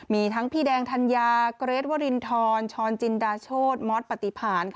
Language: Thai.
มีทั้งพี่แดงธัญญาเกรทวรินทรชรจินดาโชธมอสปฏิผ่าน